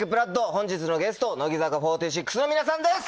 本日のゲスト乃木坂４６の皆さんです。